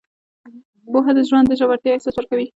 پوهه د ژوند د ژورتیا احساس ورکوي.